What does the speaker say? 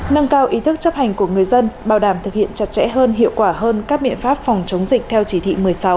nâng cao ý thức chấp hành của người dân bảo đảm thực hiện chặt chẽ hơn hiệu quả hơn các biện pháp phòng chống dịch theo chỉ thị một mươi sáu